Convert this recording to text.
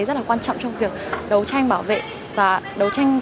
rất là quan trọng trong việc đấu tranh bảo vệ và đấu tranh